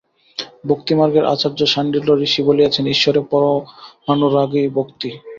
ভক্তিমার্গের আচার্য শাণ্ডিল্য ঋষি বলিয়াছেন, ঈশ্বরে পরমানুরাগই ভক্তি।